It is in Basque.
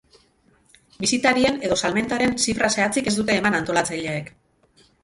Bisitarien edo salmentaren zifra zehatzik ez dute eman antolatzaileek.